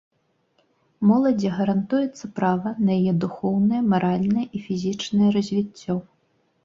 Моладзі гарантуецца права на яе духоўнае, маральнае і фізічнае развіццё.